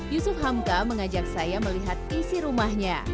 yusuf hamka mengajak saya melihat isi rumahnya